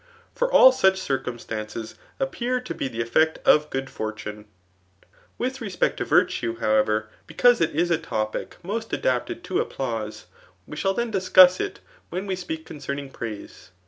For all such drcumstances appear to be the effect of gopdf fortune^ Witfi respect to virtue, however, because it is a tofic $i THE ART OF BOOK !• oiost adapted to applattae, we ehall then discuss it when we speak concerning praise.